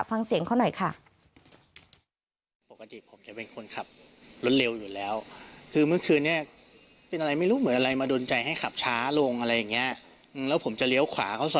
ฟังเสียงเขาหน่อยค่ะ